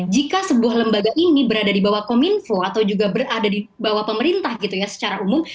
jika sebuah lembaga ini berada di bawah kominfo atau juga berada di bawah pemerintah gitu ya secara umum